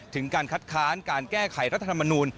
ถึงการคัดค้านการแก้ไขรัฐธรรมนูล